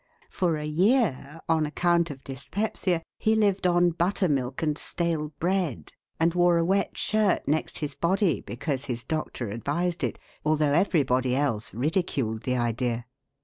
For a year, on account of dyspepsia, he lived on buttermilk and stale bread, and wore a wet shirt next his body because his doctor advised it, although everybody else ridiculed the idea.